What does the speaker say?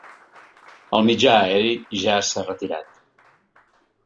El mitjà aeri ja s’ha retirat.